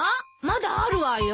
まだあるわよ。